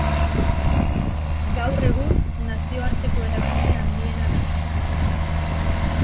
Gaur egun, nazioarteko erakunde handiena da.